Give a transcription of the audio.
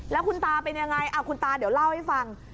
แล้วคุณตาเป็นยังไงคุณตาเดี๋ยวเล่าให้ฟัง